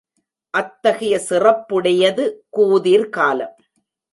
அத்தகைய சிறப்புடையது கூதிர்காலம்.